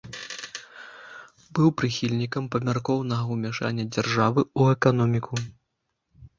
Быў прыхільнікам памяркоўнага ўмяшання дзяржавы ў эканоміку.